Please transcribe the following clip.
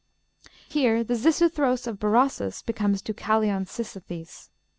Here the Xisuthros of Berosus becomes Deucalion Sisythes.